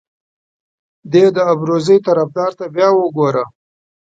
دې د ابروزي طرفدار ته بیا وګوره.